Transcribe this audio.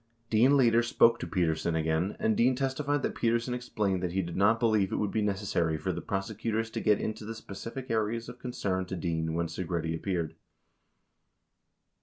42 Dean later spoke to Petersen again, and Dean testified that Petersen explained that he did not believe it would be necessary for the prosecutors to get into the spe cific a reas of concern to Dean when Segretti appeared.